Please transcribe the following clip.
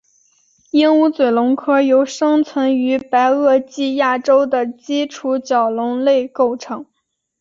鹦鹉嘴龙科由生存于下白垩纪亚洲的基础角龙类构成。